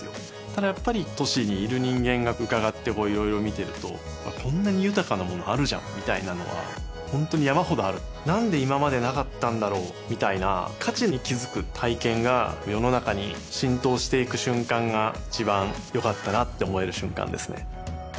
ただやっぱり都市にいる人間が伺って色々見てるとこんなに豊かなものあるじゃんみたいなのは本当に山ほどあるなんで今までなかったんだろうみたいな価値に気付く体験が世の中に浸透していく瞬間が一番良かったなって思える瞬間ですね